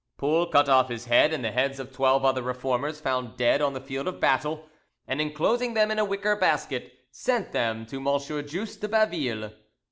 Poul cut off his head and the heads of twelve other Reformers found dead on the field of battle, and enclosing them in a wicker basket, sent them to M. Just de Baville.